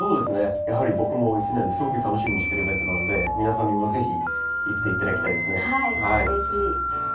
やはり僕も一年ですごく楽しみにしてるイベントなので皆さんにも是非行って頂きたいですね。